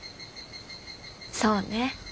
そうね。